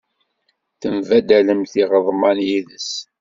Tembaddalemt iɣeḍmen yid-s.